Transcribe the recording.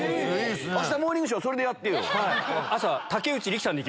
あした『モーニングショー』それでやってよ。